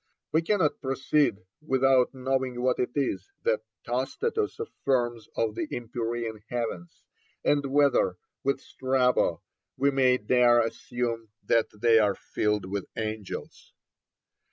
We cannot proceed without knowing what it is that Tostatus affirms of the empyrean heavens, and whether, with Strabo, we may dare assume that they are filled with angels.